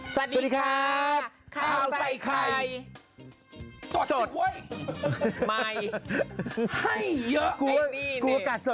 สวัสดีครับข้าวใส่ไข่สดไม่ให้เยอะกลัวกัดสดอยู่แล้ว